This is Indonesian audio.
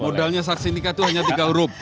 modalnya saksi nikah itu hanya tiga huruf